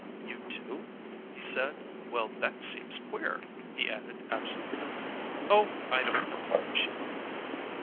"You do?" he said. "Well, that seems queer," he added absently. "Oh, I don't know!" she laughed.